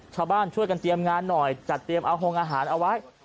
ชาวบ้านช่วยกันเตรียมงานหน่อยจัดเตรียมเอาหงอาหารเอาไว้